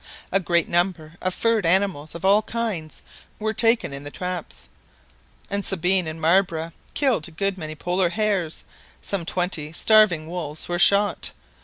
A great number of furred animals of all kinds were taken in the traps, and Sabine and Marbre killed a good many Polar hares. Some twenty starving wolves were shot.